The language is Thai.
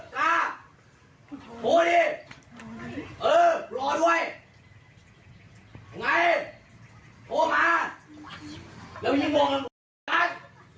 มันเป็นอะไรกันนะครับ